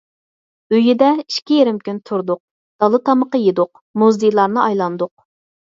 ئۆيىدە ئىككى يېرىم كۈن تۇردۇق، دالا تامىقى يېدۇق، مۇزېيلارنى ئايلاندۇق.